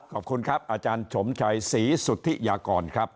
ขอบคุณครับอาจารย์สมชัยศรีสุธิยากรครับ